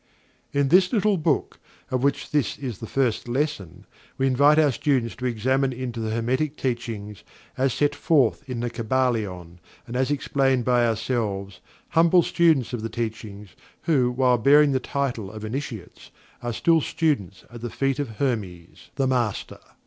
In this little book, of which this is the First Lesson, we invite our students to examine into the Hermetic Teachings, as set forth in THE KYBALION, and as explained by ourselves, humble students of the Teachings, who, while bearing the title of Initiates, are still students at the feet of HERMES, the Master.